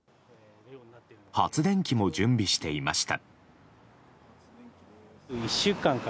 発電機も準備していました。